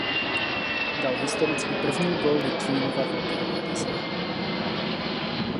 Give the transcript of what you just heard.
Dal historicky první gól Litvínova v hokejové lize.